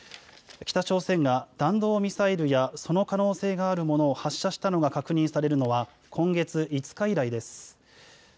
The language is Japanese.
北朝鮮が弾道ミサイルやその可能性があるものを発射したのが確認されるのは今月５日以来です。